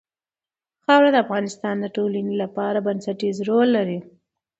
خاوره د افغانستان د ټولنې لپاره بنسټيز رول لري.